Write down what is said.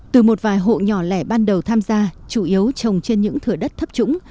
từ một vài hộ nhỏ lẻ ban đầu tham gia chủ yếu trồng trên những thửa đất thấp trũng